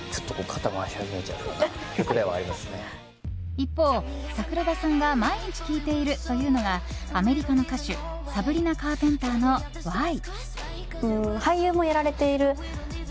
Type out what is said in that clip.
一方、桜田さんが毎日聴いているというのがアメリカの歌手サブリナ・カーペンターの「Ｗｈｙ」。